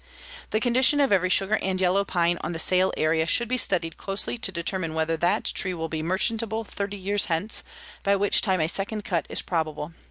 "The condition of every sugar and yellow pine on the sale area should be studied closely to determine whether that tree will be merchantable thirty years hence, by which time a second cut is probable.